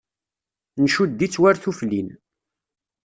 Ncudd-itt war tuflin.